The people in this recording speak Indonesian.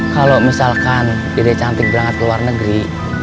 kalo misalkan dede cantik berangkat ke luar negeri